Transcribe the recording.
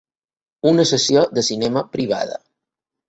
Una sessió de cinema privada.